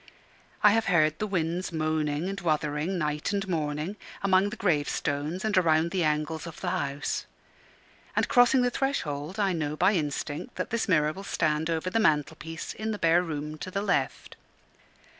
I have heard the winds moaning and wuthering night and morning, among the gravestones, and around the angles of the house; and crossing the threshold, I know by instinct that this mirror will stand over the mantelpiece in the bare room to the left.